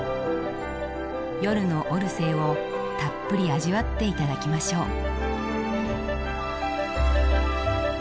夜のオルセーをたっぷり味わって頂きましょう。